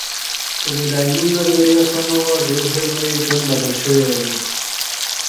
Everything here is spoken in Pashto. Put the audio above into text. که د ډایمونډ نظریه سمه وه، ډېر ژر به یې ژوند بدل شوی وای.